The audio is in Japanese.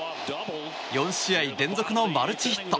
４試合連続のマルチヒット。